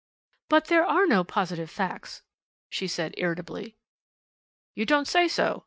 "But there are no positive facts," she said irritably. "You don't say so?"